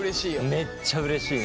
めっちゃうれしいね。